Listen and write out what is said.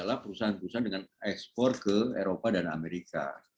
adalah perusahaan perusahaan dengan ekspor ke eropa dan amerika